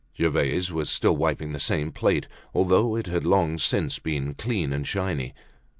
Gervaise was still wiping the same plate, although it had long since been clean and shiny.